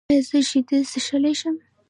ایا زه شیدې څښلی شم؟